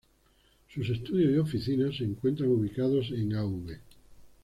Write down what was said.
Sus estudios y oficinas se encuentran ubicados en Av.